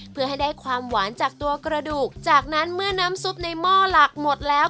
เพื่อให้ได้ความหวานจากตัวกระดูกจากนั้นเมื่อน้ำซุปในหม้อหลักหมดแล้ว